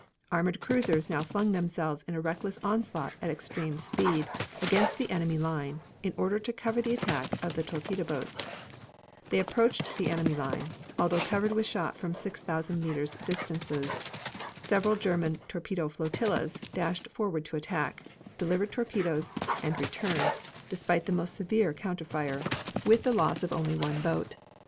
Armored cruisers now flung themselves in a reckless onset at extreme speed against the enemy line in order to cover the attack of the torpedo boats. They approached the enemy line, although covered with shot from 6,000 meters distances. Several German torpedo flotillas dashed forward to attack, delivered torpedoes, and returned, despite the most severe counterfire, with the loss of only one boat.